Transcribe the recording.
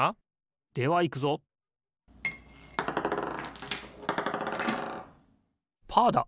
ではいくぞパーだ！